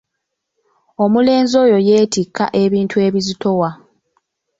Omulenzi oyo yeetikka ebintu ebizitowa.